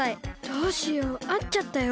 どうしようあっちゃったよ。